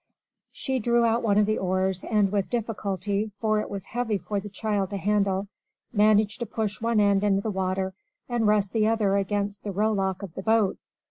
She drew out one of the oars and with difficulty, for it was heavy for the child to handle, managed to push one end into the water and rest the other against the row lock of the boat.